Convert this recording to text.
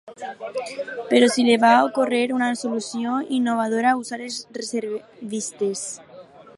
Però se li va ocórrer una solució innovadora: usar els reservistes.